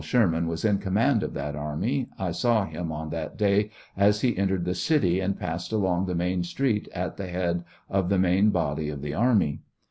Sherman was in command of that army , I saw him on that day as he entered the city and passed along the main street at the head of the main body of the army.